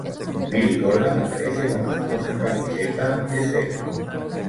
Billy Corgan aparece con la famosa camiseta de Zero.